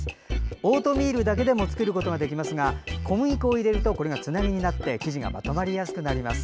オートミールだけでも作ることができますが小麦粉を入れるとこれがつなぎになって生地がまとまりやすくなります。